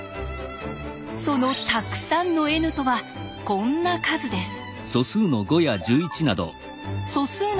そのたくさんのｎとはこんな数です。